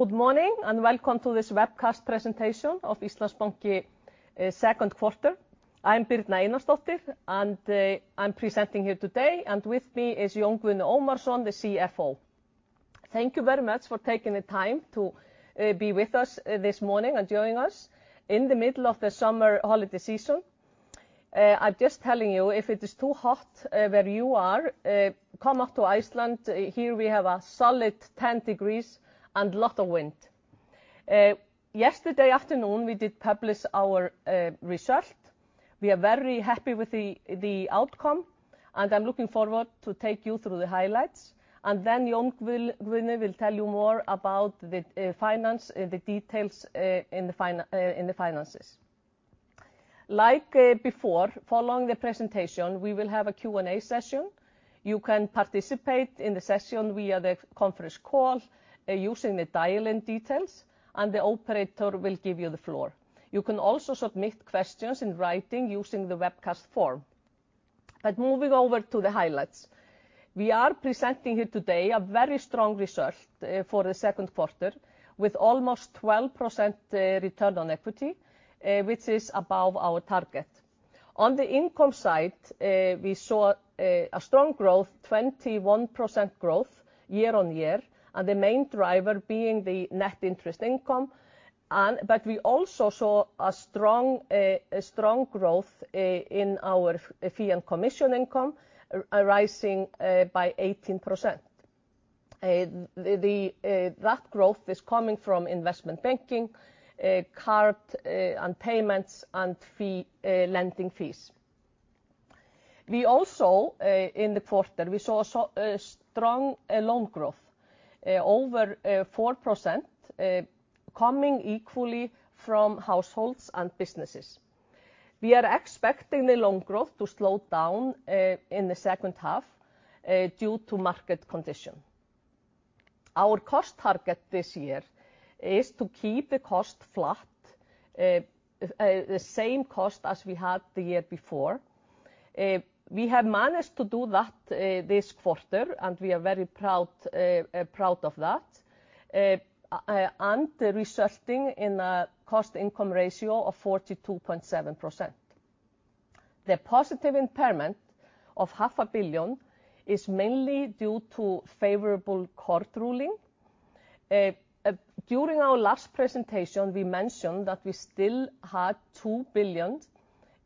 Good morning, and welcome to this webcast presentation of Íslandsbanki second quarter. I'm Birna Einarsdóttir, and I'm presenting here today, and with me is Jón Guðni Ómarsson, the CFO. Thank you very much for taking the time to be with us this morning and joining us in the middle of the summer holiday season. I'm just telling you, if it is too hot where you are, come up to Iceland. Here we have a solid 10 degrees and lot of wind. Yesterday afternoon we did publish our result. We are very happy with the outcome, and I'm looking forward to take you through the highlights, and then Jón Guðni Ómarsson will tell you more about the finance, the details, in the finances. Like, before, following the presentation we will have a Q&A session. You can participate in the session via the conference call using the dial-in details, and the operator will give you the floor. You can also submit questions in writing using the webcast form. Moving over to the highlights. We are presenting here today a very strong result for the second quarter, with almost 12% return on equity, which is above our target. On the income side, we saw a strong growth, 21% growth year-on-year, and the main driver being the net interest income. We also saw a strong growth in our fee and commission income, rising by 18%. That growth is coming from investment banking, card, and payments, and lending fees. We also in the quarter we saw strong loan growth over 4%, coming equally from households and businesses. We are expecting the loan growth to slow down in the second half due to market condition. Our cost target this year is to keep the cost flat, the same cost as we had the year before. We have managed to do that this quarter, and we are very proud of that. Resulting in a cost-income ratio of 42.7%. The positive impairment of 500 million is mainly due to favorable court ruling. During our last presentation, we mentioned that we still had 2 billion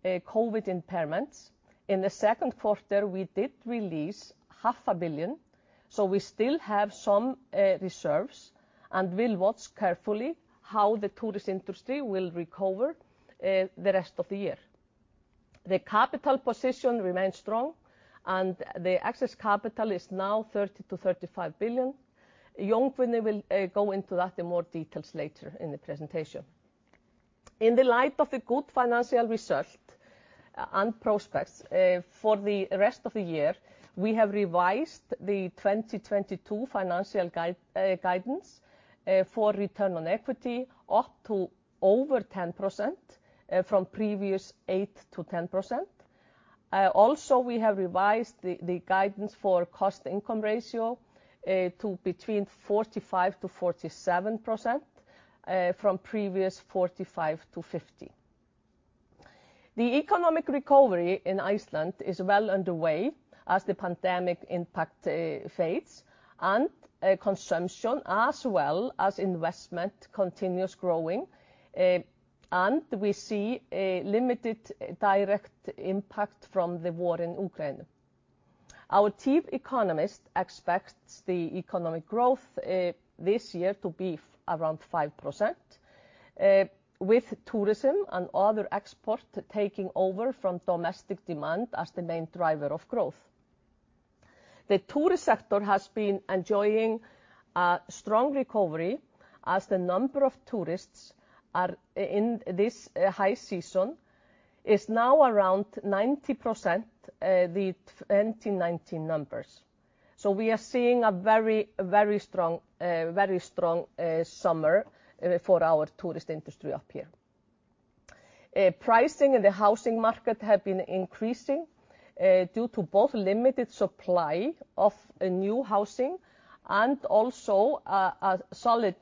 COVID impairments. In the second quarter, we did release 500 million, so we still have some reserves, and will watch carefully how the tourism industry will recover the rest of the year. The capital position remains strong, and the excess capital is now 30 billion-35 billion. Jón Guðni Ómarsson will go into that in more details later in the presentation. In the light of the good financial result and prospects for the rest of the year, we have revised the 2022 financial guidance for return on equity up to over 10%, from previous 8%-10%. Also, we have revised the guidance for cost-income ratio to between 45%-47%, from previous 45%-50%. The economic recovery in Iceland is well underway as the pandemic impact fades, and consumption as well as investment continues growing, and we see a limited direct impact from the war in Ukraine. Our chief economist expects the economic growth this year to be around 5%, with tourism and other export taking over from domestic demand as the main driver of growth. The tourist sector has been enjoying a strong recovery as the number of tourists are, in this, high season, is now around 90%, the 2019 numbers. We are seeing a very strong summer for our tourist industry up here. Prices in the housing market have been increasing due to both limited supply of new housing and also a solid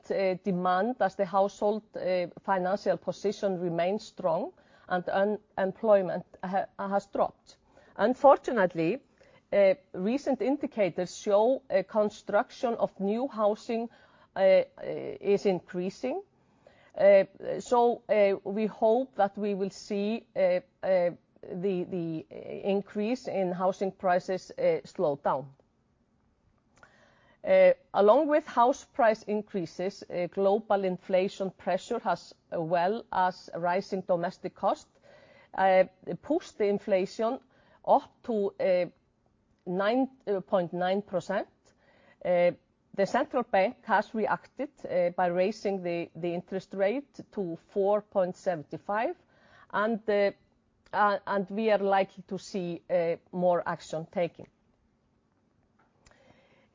demand as the household financial position remains strong and unemployment has dropped. Unfortunately, recent indicators show a construction of new housing is increasing. We hope that we will see the increase in housing prices slow down. Along with house price increases, global inflation pressure has, as well as rising domestic cost, pushed the inflation up to 9.9%. Seðlabanki Íslands has reacted by raising the interest rate to 4.75%, and we are likely to see more action taken.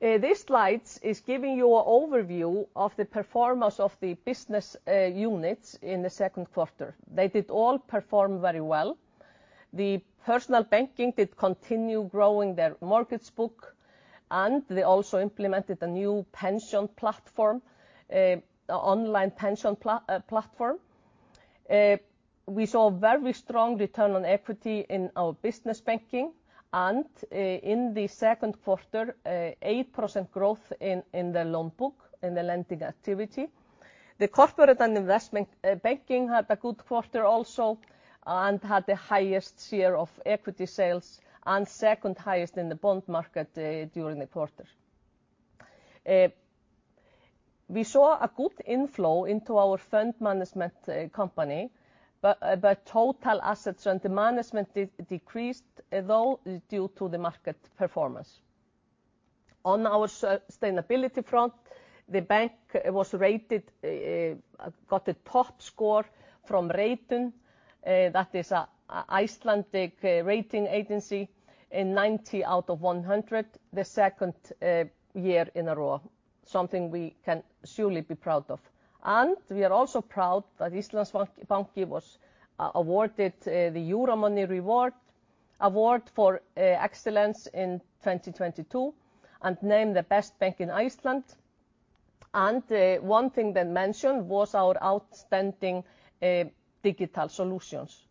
This slide is giving you an overview of the performance of the business units in the second quarter. They did all perform very well. The personal banking did continue growing their mortgage book, and they also implemented a new online pension platform. We saw very strong return on equity in our business banking, and in the second quarter, 8% growth in the loan book, in the lending activity. The corporate and investment banking had a good quarter also and had the highest share of equity sales and second highest in the bond market during the quarter. We saw a good inflow into our fund management company, but total assets under management decreased, though, due to the market performance. On our sustainability front, the bank was rated, got a top score from Reitun, that is a Icelandic rating agency in 90 out of 100 the second year in a row, something we can surely be proud of. We are also proud that Íslandsbanki was awarded the Euromoney Award for Excellence in 2022 and named the best bank in Iceland, and one thing they mentioned was our outstanding digital solutions.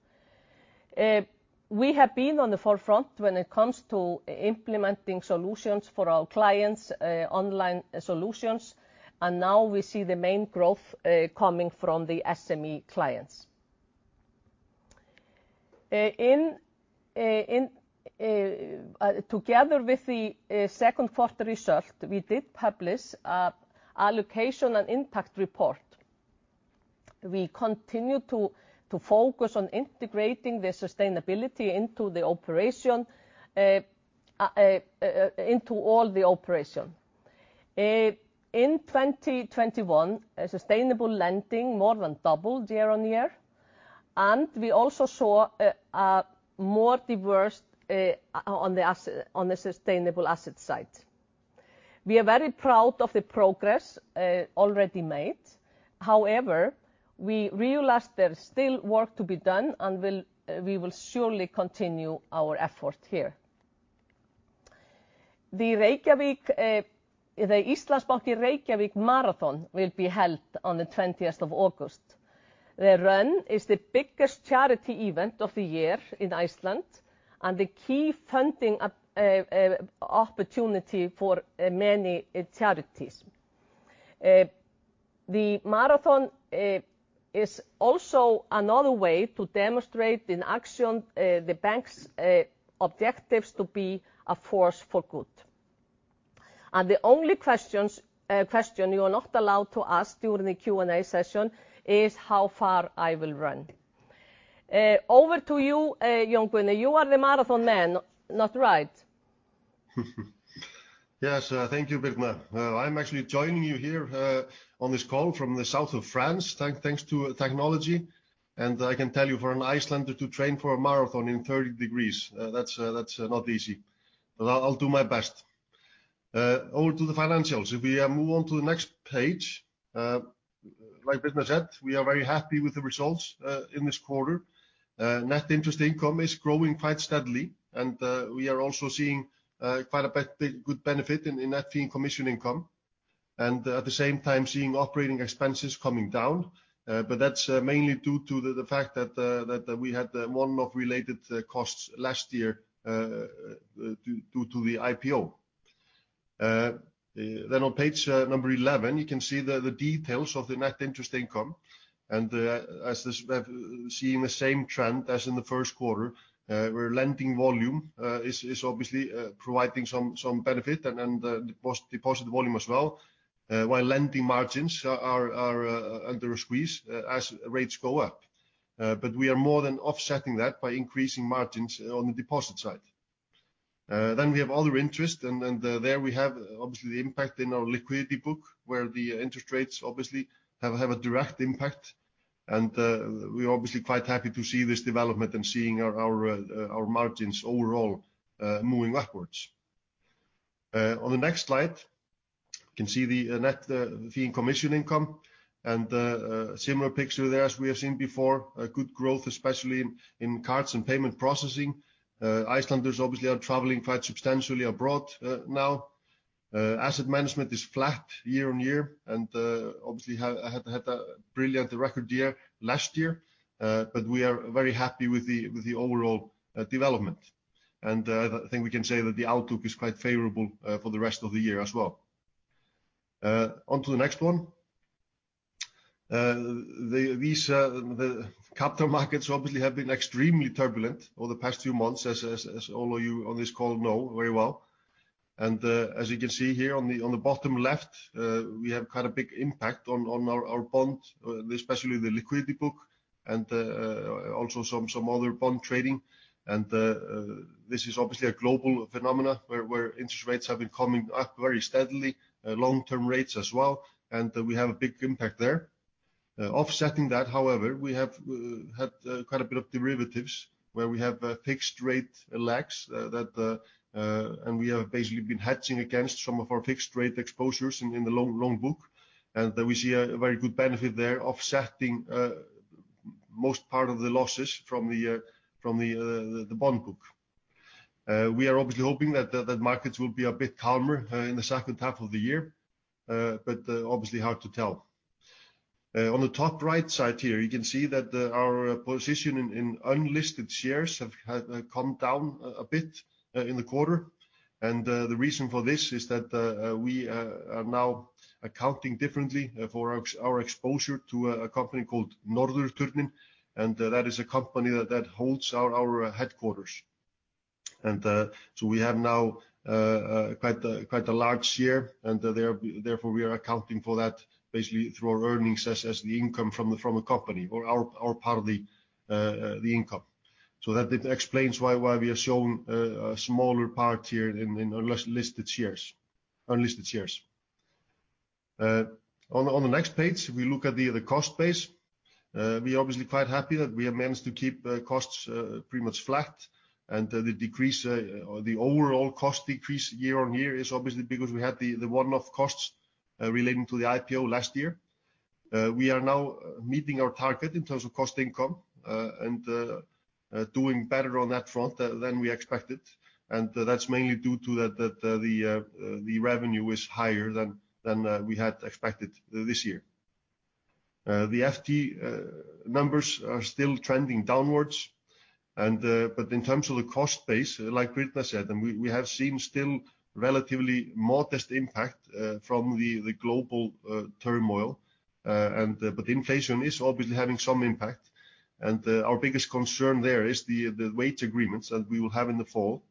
We have been on the forefront when it comes to implementing solutions for our clients, online solutions, and now we see the main growth coming from the SME clients. In together with the second quarter result, we did publish a Allocation and Impact Report. We continue to focus on integrating the sustainability into the operation into all the operation. In 2021, sustainable lending more than doubled year on year, and we also saw a more diverse on the sustainable asset side. We are very proud of the progress already made. However, we realize there's still work to be done, and we will surely continue our effort here. The Íslandsbanki Reykjavík Marathon will be held on the 20th of August. The run is the biggest charity event of the year in Iceland and the key funding opportunity for many charities. The marathon is also another way to demonstrate in action the bank's objectives to be a force for good. The only question you are not allowed to ask during the Q&A session is how far I will run. Over to you, Jón Guðni. You are the marathon man, not right? Yes, thank you, Birna. I'm actually joining you here on this call from the South of France, thanks to technology, and I can tell you, for an Icelander to train for a marathon in thirty degrees, that's not easy. I'll do my best. Over to the financials. If we move on to the next page, like Birna said, we are very happy with the results in this quarter. Net Interest income is growing quite steadily, and we are also seeing quite a bit of good benefit in Net Fee and Commission income and, at the same time, seeing operating expenses coming down. That's mainly due to the fact that we had the one-off related costs last year due to the IPO. On page 11, you can see the details of the net interest income and, as we're seeing the same trend as in the first quarter, where lending volume is obviously providing some benefit and deposit volume as well, while lending margins are under a squeeze as rates go up. We are more than offsetting that by increasing margins on the deposit side. We have other interest and there we have obviously the impact in our liquidity book, where the interest rates obviously have a direct impact and we're obviously quite happy to see this development and seeing our margins overall moving upwards. On the next slide, you can see the Net Fee and Commission income and a similar picture there as we have seen before, a good growth, especially in Cards and Payment Processing. Icelanders obviously are traveling quite substantially abroad now. Asset Management is flat year on year and obviously had a brilliant record year last year, but we are very happy with the overall development. I think we can say that the outlook is quite favorable for the rest of the year as well. Onto the next one. These capital markets obviously have been extremely turbulent over the past few months, as all of you on this call know very well. As you can see here on the bottom left, we have quite a big impact on our Bond, especially the liquidity book and also some other bond trading. This is obviously a global phenomenon where interest rates have been coming up very steadily, long-term rates as well, and we have a big impact there. Offsetting that, however, we have had quite a bit of derivatives where we have fixed-rate legs, and we have basically been hedging against some of our fixed rate exposures in the loan book, and we see a very good benefit there offsetting most part of the losses from the bond book. We are obviously hoping that the markets will be a bit calmer in the second half of the year, but obviously hard to tell. On the top right side here, you can see that our position in unlisted shares have come down a bit in the quarter. The reason for this is that we are now accounting differently for our exposure to a company called Norðurturninn, and that is a company that holds our headquarters. We have now quite a large share, and therefore we are accounting for that basically through our earnings as the income from a company or our part of the income. That explains why we have shown a smaller part here in our unlisted shares. On the next page, we look at the cost base. We're obviously quite happy that we have managed to keep costs pretty much flat, and the decrease or the overall cost decrease year-on-year is obviously because we had the one-off costs relating to the IPO last year. We are now meeting our target in terms of cost income and doing better on that front than we expected, and that's mainly due to the revenue is higher than we had expected this year. The FTE numbers are still trending downwards, but in terms of the cost base, like Birna said, and we have seen still relatively modest impact from the global turmoil, and the inflation is obviously having some impact. Our biggest concern there is the wage agreements that we will have in the fall,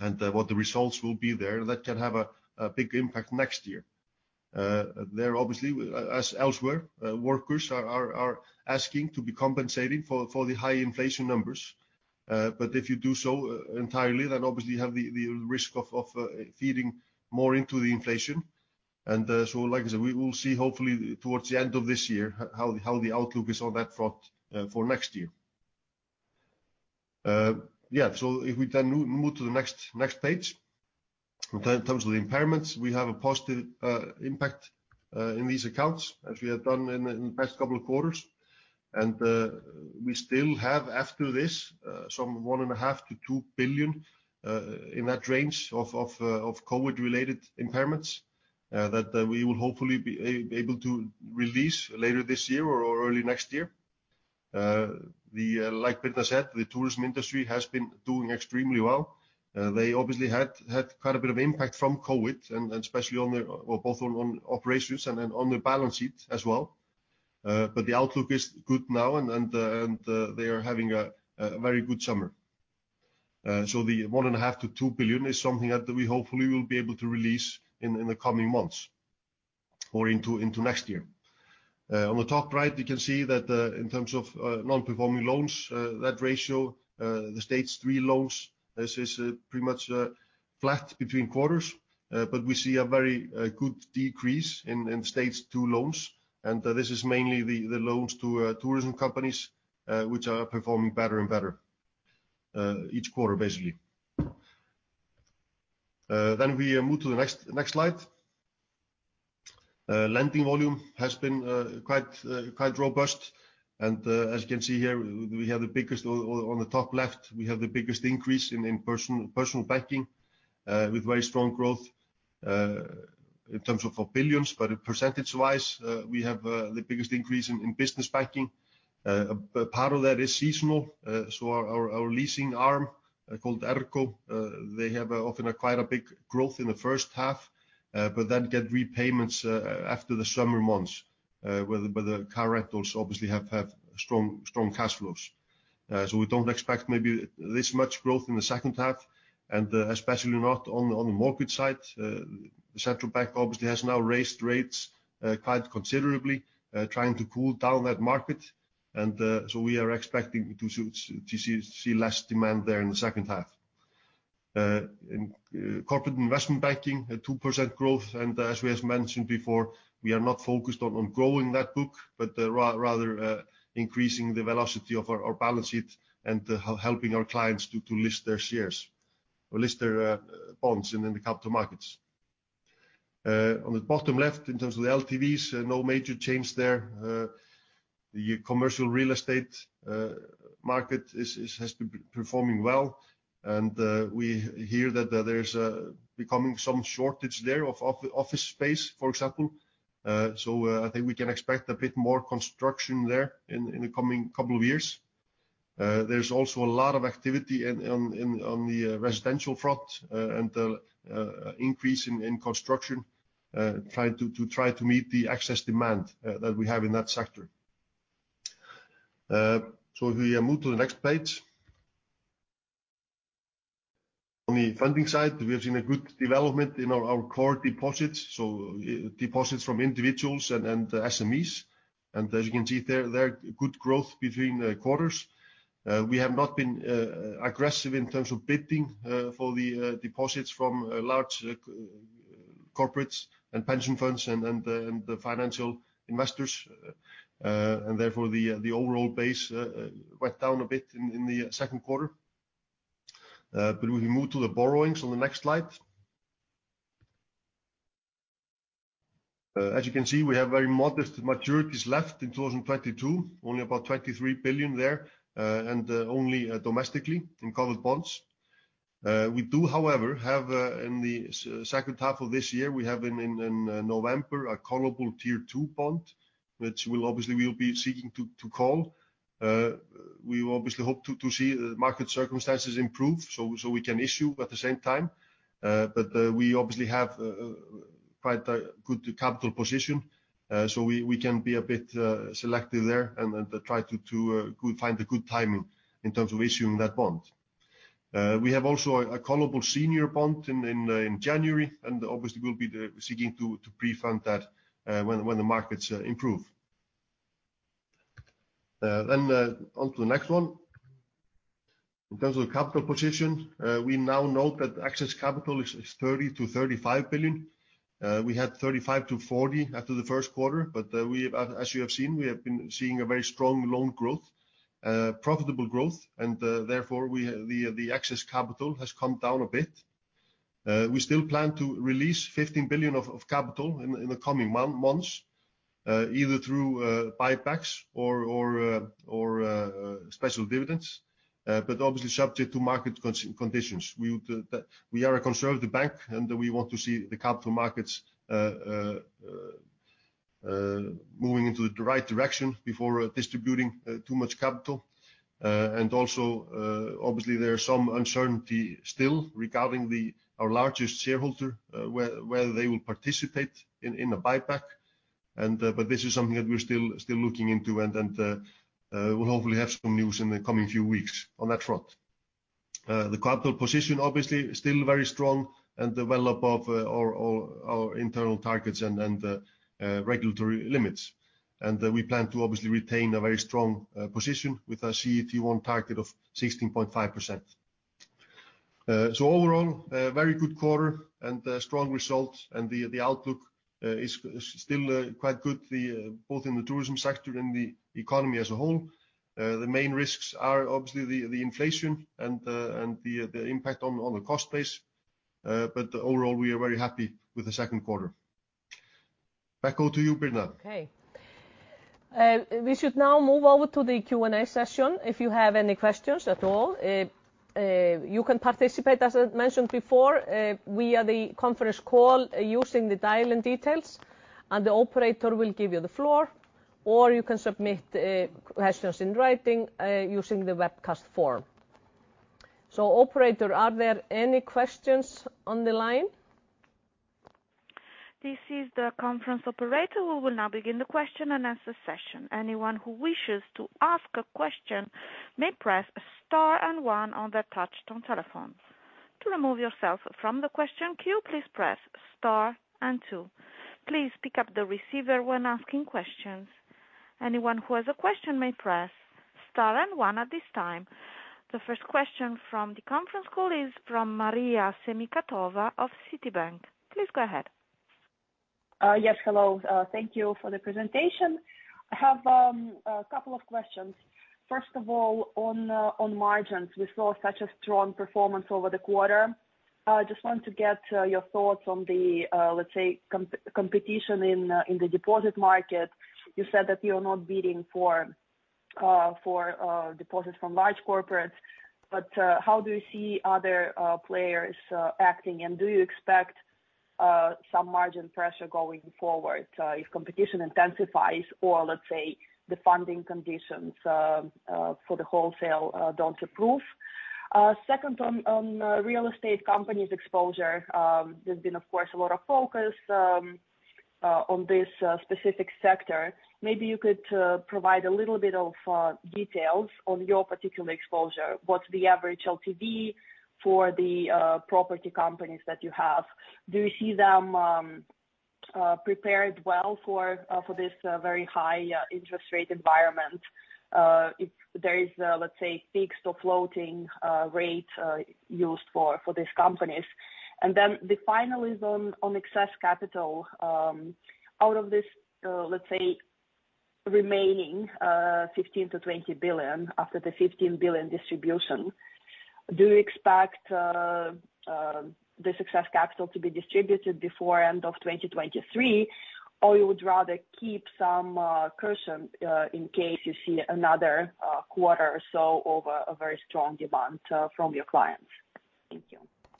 and what the results will be there. That can have a big impact next year. There obviously, as elsewhere, workers are asking to be compensated for the high inflation numbers. If you do so entirely, then obviously you have the risk of feeding more into the inflation. Like I said, we will see hopefully towards the end of this year how the outlook is on that front for next year. Yeah. If we then move to the next page. In terms of the impairments, we have a positive impact in these accounts, as we have done in the past couple of quarters. We still have, after this, some 1.5 billion-2 billion in that range of COVID-related impairments that we will hopefully be able to release later this year or early next year. Like Birna Einarsdóttir said, the tourism industry has been doing extremely well. They obviously had quite a bit of impact from COVID and especially on their both on operations and on the balance sheet as well. The outlook is good now and they are having a very good summer. The 1.5 billion- 2 billion is something that we hopefully will be able to release in the coming months or into next year. On the top right, you can see that in terms of non-performing loans, that ratio, the Stage 3 loans, this is pretty much flat between quarters. We see a very good decrease in Stage 2 loans, and this is mainly the loans to tourism companies, which are performing better and better each quarter, basically. We move to the next slide. Lending volume has been quite robust. As you can see here, we have the biggest one on the top left, we have the biggest increase in personal banking with very strong growth in terms of billions. Percentage-wise, we have the biggest increase in business banking. Part of that is seasonal. Our leasing arm called Ergo, they have often quite a big growth in the first half, but then get repayments after the summer months, where the car rentals obviously have strong cash flows. We don't expect maybe this much growth in the second half, and especially not on the mortgage side. The Seðlabanki Íslands obviously has now raised rates quite considerably, trying to cool down that market. We are expecting to see less demand there in the second half. In corporate investment banking, 2% growth, and as we have mentioned before, we are not focused on growing that book, but rather increasing the velocity of our balance sheet and helping our clients to list their shares or list their bonds in the capital markets. On the bottom left, in terms of the LTVs, no major change there. The commercial real estate market has been performing well, and we hear that there is becoming some shortage there of office space, for example. I think we can expect a bit more construction there in the coming couple of years. There's also a lot of activity in the residential front, and an increase in construction to meet the excess demand that we have in that sector. If we move to the next page. On the funding side, we have seen a good development in our core deposits, so deposits from individuals and SMEs. As you can see there is good growth between quarters. We have not been aggressive in terms of bidding for the deposits from large corporates and pension funds and the financial investors, and therefore the overall base went down a bit in the second quarter. If we move to the borrowings on the next slide. As you can see, we have very modest maturities left in 2022, only about 23 billion there, and only domestically in covered bonds. We do, however, have in the second half of this year, we have in November, a callable Tier 2 bond, which we'll obviously be seeking to call. We obviously hope to see the market circumstances improve so we can issue at the same time. We obviously have quite a good capital position, so we can be a bit selective there and try to go find a good timing in terms of issuing that bond. We have also a callable senior bond in January, and obviously we'll be seeking to prefund that, when the markets improve. Onto the next one. In terms of the capital position, we now note that excess capital is 30 billion-35 billion. We had 35 billion-40 billion after the first quarter, but we have, as you have seen, been seeing a very strong loan growth, profitable growth, and therefore the excess capital has come down a bit. We still plan to release 15 billion of capital in the coming months, either through buybacks or special dividends, but obviously subject to market conditions. We are a conservative bank, and we want to see the capital markets moving into the right direction before distributing too much capital. There is some uncertainty still regarding our largest shareholder, whether they will participate in a buyback. This is something that we're still looking into, and we'll hopefully have some news in the coming few weeks on that front. The capital position obviously still very strong and well above our internal targets and regulatory limits. We plan to obviously retain a very strong position with a CET1 target of 16.5%. Overall, a very good quarter and strong results. The outlook is still quite good, both in the tourism sector and the economy as a whole. The main risks are obviously the inflation and the impact on the cost base. Overall, we are very happy with the second quarter. Back over to you, Birna. Okay. We should now move over to the Q&A session. If you have any questions at all, you can participate, as I mentioned before, via the conference call using the dial-in details, and the operator will give you the floor. Or you can submit questions in writing, using the webcast form. Operator, are there any questions on the line? This is the conference operator who will now begin the question-and-answer session. Anyone who wishes to ask a question may press star and one on their touch-tone telephones. To remove yourself from the question queue, please press star and two. Please pick up the receiver when asking questions. Anyone who has a question may press star and one at this time. The first question from the conference call is from Maria Semikhatova of Citi. Please go ahead. Yes. Hello. Thank you for the presentation. I have a couple of questions. First of all, on margins, we saw such a strong performance over the quarter. Just want to get your thoughts on the, let's say, competition in the deposit market. You said that you're not bidding for deposits from large corporates, but how do you see other players acting, and do you expect some margin pressure going forward, if competition intensifies or let's say the funding conditions for the wholesale don't improve? Second, on real estate companies exposure, there's been, of course, a lot of focus on this specific sector. Maybe you could provide a little bit of details on your particular exposure. What's the average LTV for the property companies that you have? Do you see them prepared well for this very high interest rate environment? If there is, let's say fixed or floating rates used for these companies? Then the final is on excess capital. Out of this, let's say remaining 15-20 billion after the 15 billion distribution, do you expect this excess capital to be distributed before end of 2023, or you would rather keep some cushion in case you see another quarter or so of a very strong demand from your clients? Thank you.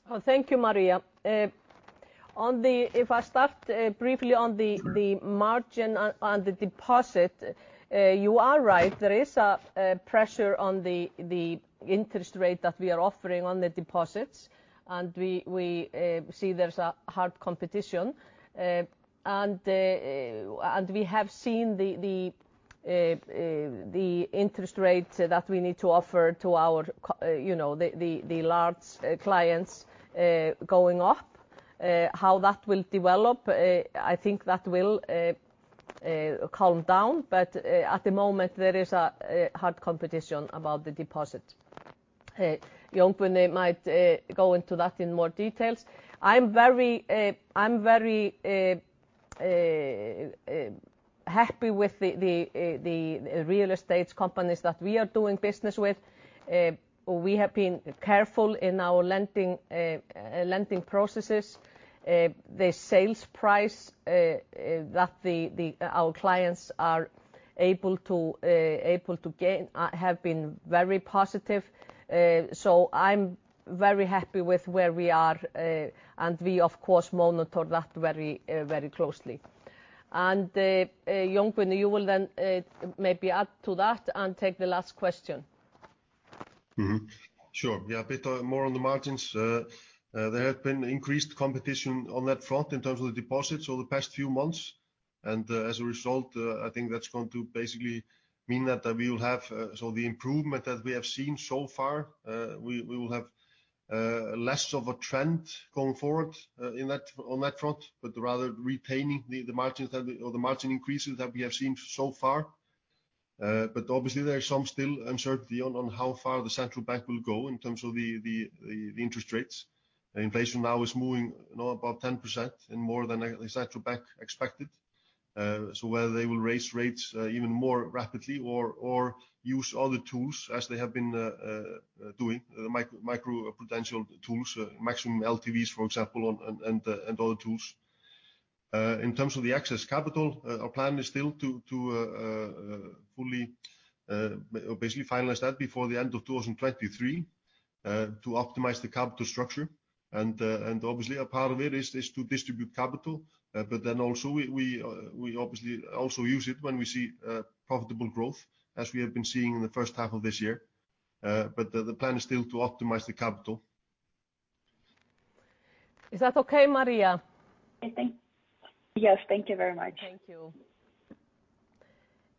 Well, thank you, Maria. If I start briefly on the Sure. The margin on the deposit, you are right, there is a pressure on the interest rate that we are offering on the deposits. We see there's a hard competition. We have seen the interest rate that we need to offer to our you know, the large clients going up. How that will develop, I think that will calm down. At the moment, there is a hard competition about the deposit. Jón Guðni might go into that in more details. I'm very happy with the real estate companies that we are doing business with. We have been careful in our lending processes. The sales price that our clients are able to gain have been very positive. I'm very happy with where we are. We of course monitor that very closely. Jón, you will then maybe add to that and take the last question. Sure. Yeah, a bit more on the margins. There have been increased competition on that front in terms of the deposits over the past few months. As a result, I think that's going to basically mean that the improvement that we have seen so far, we will have less of a trend going forward on that front, but rather retaining the margins or the margin increases that we have seen so far. Obviously there is still some uncertainty on how far the central bank will go in terms of the interest rates. Inflation is now moving about 10% and more than the central bank expected. Whether they will raise rates even more rapidly or use other tools as they have been doing, the macroprudential tools, maximum LTVs, for example, and other tools. In terms of the excess capital, our plan is still to fully basically finalize that before the end of 2023 to optimize the capital structure. Obviously a part of it is to distribute capital, but then also we obviously also use it when we see profitable growth, as we have been seeing in the first half of this year. The plan is still to optimize the capital. Is that okay, Maria? Yes. Thank you very much. Thank you.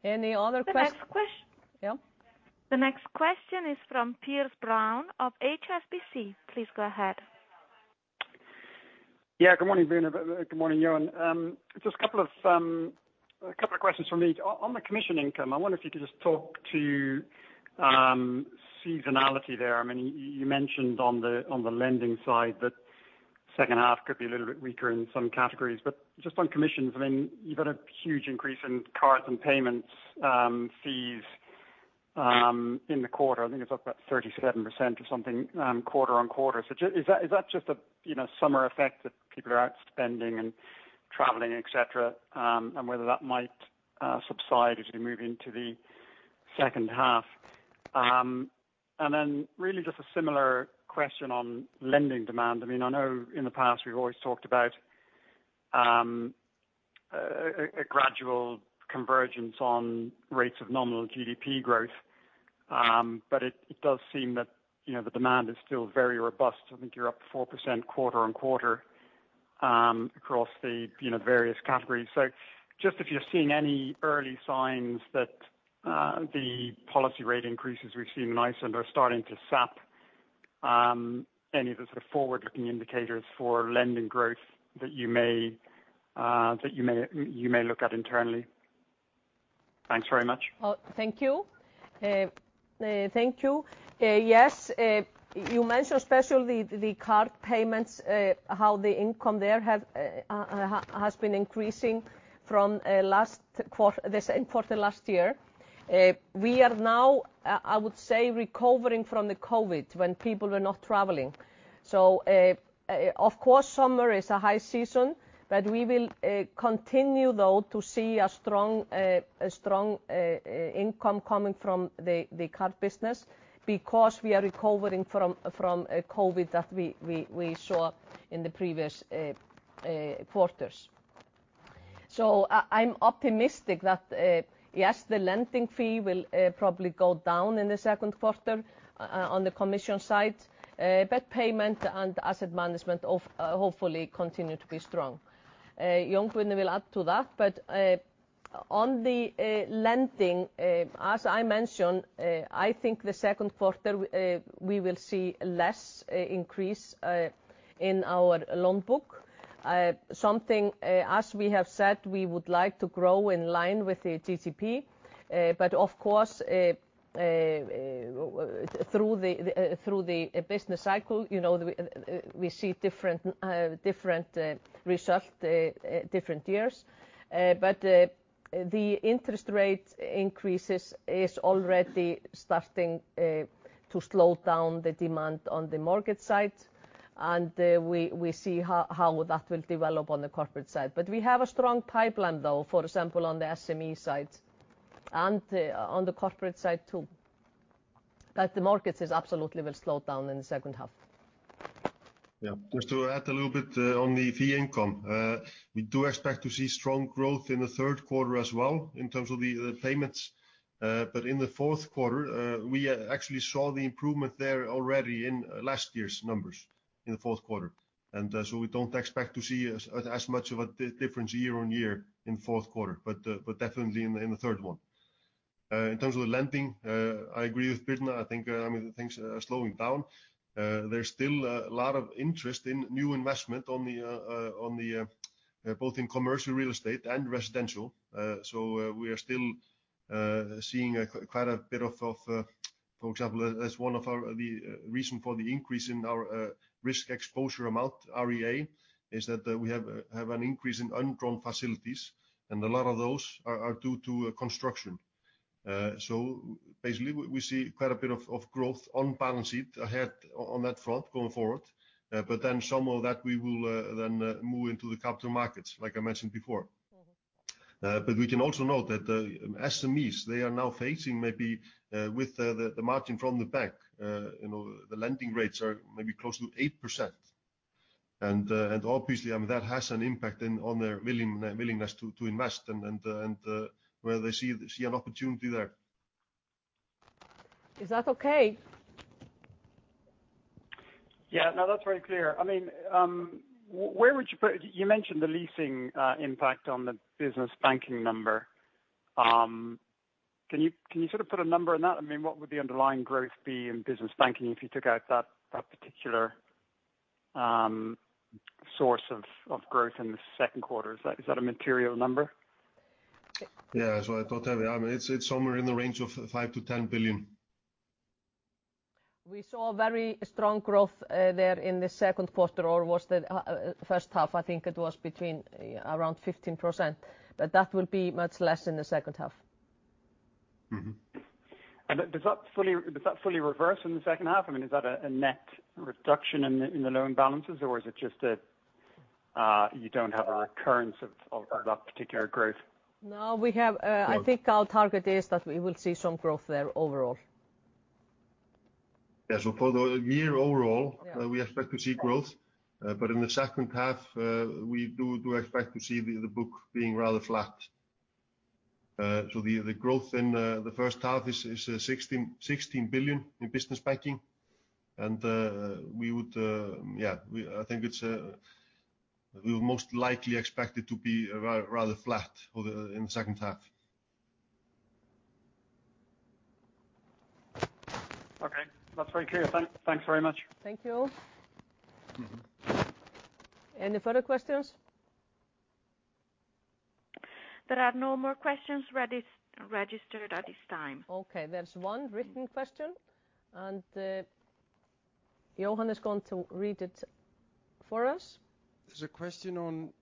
Any other que- The next question. Yeah. The next question is from Piers Brown of HSBC. Please go ahead. Yeah, good morning, Birna. Good morning, Jón. Just a couple of questions from me. On the commission income, I wonder if you could just talk to seasonality there. I mean, you mentioned on the lending side that second half could be a little bit weaker in some categories. Just on commissions, I mean, you've had a huge increase in cards and payments fees in the quarter. I think it's up about 37% or something, quarter on quarter. Is that just a, you know, summer effect that people are out spending and traveling, et cetera, and whether that might subside as we move into the second half? Then really just a similar question on lending demand. I mean, I know in the past, we've always talked about a gradual convergence on rates of nominal GDP growth. It does seem that, you know, the demand is still very robust. I think you're up 4% quarter-on-quarter across the, you know, various categories. Just if you're seeing any early signs that the policy rate increases we've seen in Iceland are starting to sap any of the sort of forward-looking indicators for lending growth that you may look at internally. Thanks very much. Thank you. Yes, you mentioned especially the card payments, how the income there has been increasing from the same quarter last year. We are now, I would say, recovering from the COVID when people were not traveling. Of course, summer is a high season, but we will continue though to see a strong income coming from the card business because we are recovering from COVID that we saw in the previous quarters. I'm optimistic that yes, the lending fee will probably go down in the second quarter on the commission side. But payment and asset management hopefully continue to be strong. Jón Guðni Ómarsson will add to that, but on the lending, as I mentioned, I think the second quarter we will see less increase in our loan book. As we have said, we would like to grow in line with the GDP. Of course, through the business cycle, you know, we see different results different years. The interest rate increases is already starting to slow down the demand on the market side. We see how that will develop on the corporate side. We have a strong pipeline, though, for example, on the SME side and on the corporate side too. The markets is absolutely will slow down in the second half. Yeah. Just to add a little bit on the fee income. We do expect to see strong growth in the third quarter as well in terms of the payments. In the fourth quarter, we actually saw the improvement there already in last year's numbers in the fourth quarter. We don't expect to see as much of a difference year on year in fourth quarter, but definitely in the third one. In terms of the lending, I agree with Birna. I think, I mean, things are slowing down. There's still a lot of interest in new investment both in commercial real estate and residential. We are still seeing quite a bit of. For example, as one of the reasons for the increase in our Risk Exposure Amount, REA, is that we have an increase in undrawn facilities, and a lot of those are due to construction. We see quite a bit of growth on balance sheet ahead on that front going forward. Some of that we will then move into the capital markets, like I mentioned before. Mm-hmm. We can also note that SMEs they are now facing maybe with the margin from the bank you know the lending rates are maybe close to 8%. Obviously I mean that has an impact then on their willingness to invest and where they see an opportunity there. Is that okay? Yeah. No, that's very clear. I mean, where would you put? You mentioned the leasing impact on the business banking number. Can you sort of put a number on that? I mean, what would the underlying growth be in business banking if you took out that particular source of growth in the second quarter? Is that a material number? I thought that. I mean, it's somewhere in the range of 5 billion-10 billion. We saw very strong growth there in the second quarter or first half. I think it was between around 15%. That will be much less in the second half. Mm-hmm. Does that fully reverse in the second half? I mean, is that a net reduction in the loan balances, or is it just you don't have a recurrence of that particular growth? No, we have, I think our target is that we will see some growth there overall. Yeah. For the year overall. Yeah. We expect to see growth. In the second half, we do expect to see the book being rather flat. The growth in the first half is 16 billion in business banking. We would most likely expect it to be rather flat in the second half. Okay. That's very clear. Thanks very much. Thank you. Mm-hmm. Any further questions? There are no more questions registered at this time. Okay. There's one written question, and Johan is going to read it for us. There's a question on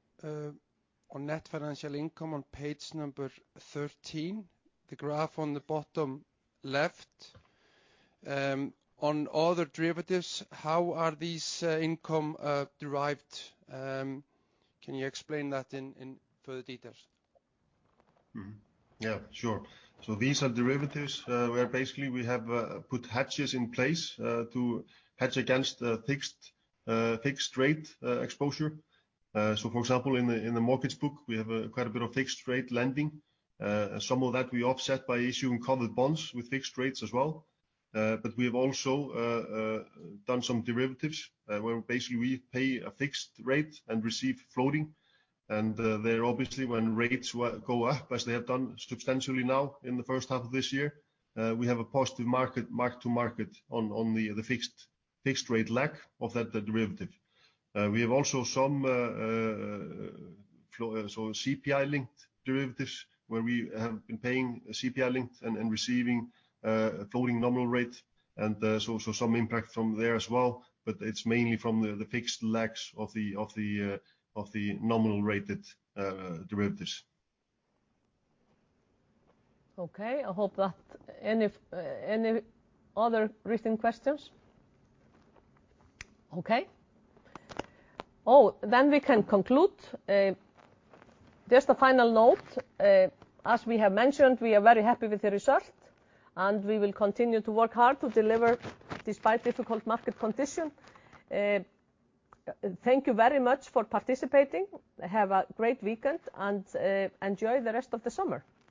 net financial income on page number 13, the graph on the bottom left. On other derivatives, how are these income derived? Can you explain that in further details? These are derivatives where basically we have put hedges in place to hedge against the fixed rate exposure. For example, in the mortgage book, we have quite a bit of fixed rate lending. Some of that we offset by issuing covered bonds with fixed rates as well. But we have also done some derivatives where basically we pay a fixed rate and receive floating. There obviously, when rates go up, as they have done substantially now in the first half of this year, we have a positive mark-to-market on the fixed rate leg of that derivative. We have also some CPI-linked derivatives where we have been paying CPI-linked and receiving floating nominal rate, and there's also some impact from there as well, but it's mainly from the fixed legs of the nominal rate derivatives. Okay. Any other written questions? Okay. Oh, we can conclude. Just a final note. As we have mentioned, we are very happy with the result, and we will continue to work hard to deliver despite difficult market conditions. Thank you very much for participating. Have a great weekend and enjoy the rest of the summer.